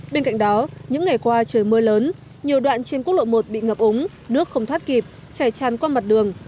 bên cạnh đó những ngày qua trời mưa lớn nhiều đoạn trên quốc lộ một bị ngập úng nước không thoát kịp chảy tràn qua mặt đường